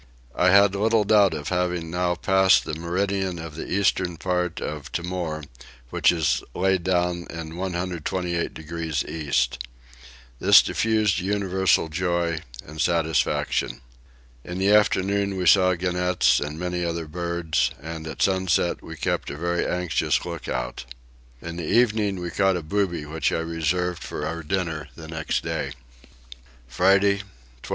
I had little doubt of having now passed the meridian of the eastern part of Timor which is laid down in 128 degrees east. This diffused universal joy and satisfaction. In the afternoon we saw gannets and many other birds, and at sunset we kept a very anxious lookout. In the evening we caught a booby which I reserved for our dinner the next day. Friday 12.